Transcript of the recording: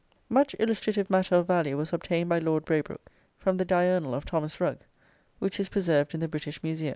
Much illustrative matter of value was obtained by Lord Braybrooke from the "Diurnall" of Thomas Rugge, which is preserved in the British Museum (Add.